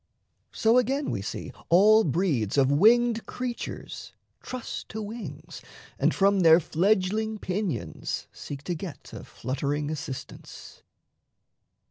So again, we see All breeds of winged creatures trust to wings And from their fledgling pinions seek to get A fluttering assistance.